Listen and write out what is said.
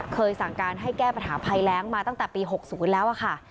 สั่งการให้แก้ปัญหาภัยแรงมาตั้งแต่ปี๖๐แล้วค่ะ